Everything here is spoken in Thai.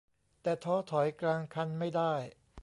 แต่ท้อถอยกลางคันไม่ได้